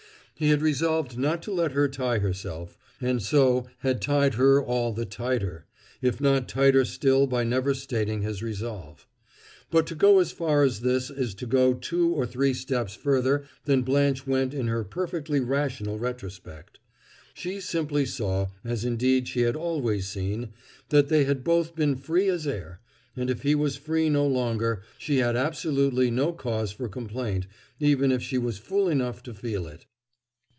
He had resolved not to let her tie herself, and so had tied her all the tighter, if not tighter still by never stating his resolve. But to go as far as this is to go two or three steps further than Blanche went in her perfectly rational retrospect: she simply saw, as indeed she had always seen, that they had both been free as air; and if he was free no longer, she had absolutely no cause for complaint, even if she was fool enough to feel it.